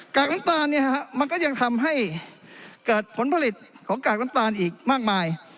กน้ำตาลมันก็ยังทำให้เกิดผลผลิตของกากน้ำตาลอีกมากมาย